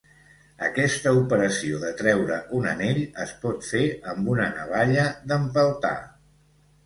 Aquesta operació de treure un anell es pot fer amb una navalla d'empeltar.